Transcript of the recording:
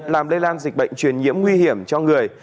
làm lây lan dịch bệnh truyền nhiễm nguy hiểm cho người